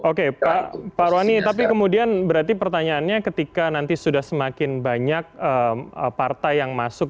oke pak roani tapi kemudian berarti pertanyaannya ketika nanti sudah semakin banyak partai yang masuk